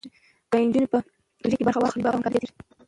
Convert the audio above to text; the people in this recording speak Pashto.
که نجونې په پروژو کې برخه واخلي، باور او همکاري زیاتېږي.